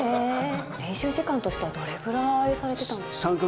練習時間としてはどれぐらいされてたんですか？